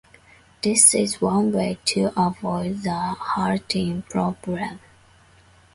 This is one way to avoid the halting problem.